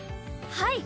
はい！